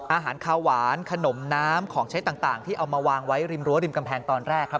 อาหารคาวหวานขนมน้ำของใช้ต่างที่เอามาวางไว้ริมรั้วริมกำแพงตอนแรกครับ